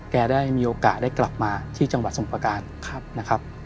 ได้มีโอกาสได้กลับมาที่จังหวัดสมประการนะครับ